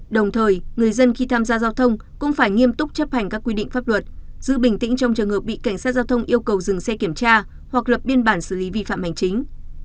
đồng thời người dân khi tham gia giao thông cũng phải nghiêm túc chấp hành các quy định pháp luật giữ bình tĩnh trong trường hợp bị cảnh sát giao thông yêu cầu dừng xe kiểm tra hoặc lập biên bản xử lý vi phạm hành chính